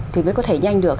thì mới có thể nhanh được